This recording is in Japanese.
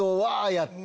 やって。